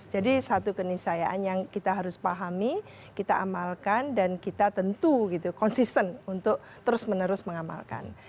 jadi satu kenisayaan yang kita harus pahami kita amalkan dan kita tentu konsisten untuk terus menerus mengamalkan